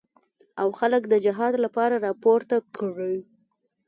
او خلک د جهاد لپاره راپورته کړي.